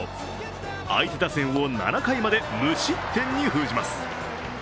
相手打線を７回まで無失点に封じます。